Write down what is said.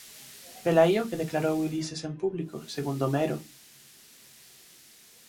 Velaí o que declarou Ulises en público, segundo Homero.